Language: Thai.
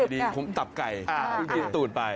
ดีดีตับไก่ตูดไป